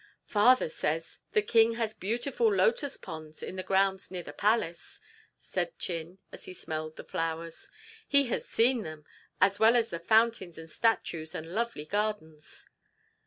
"Father says the king has beautiful lotus ponds in the grounds near the palace," said Chin, as he smelled the flowers. "He has seen them, as well as the fountains and statues and lovely gardens."